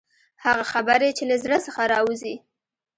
هغه خبرې چې له زړه څخه راوځي.